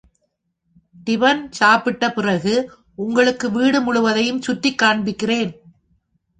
Tiffin சாப்பிட்ட பிறகு உங்களுக்கு வீடு முழுவதையும் சுற்றி காண்பிக்கிறேன்.